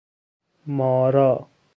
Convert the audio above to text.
مارا